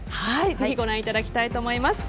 ぜひご覧いただきたいと思います。